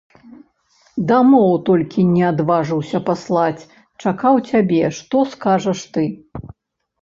Дамоў, толькі не адважыўся паслаць, чакаў цябе, што скажаш ты.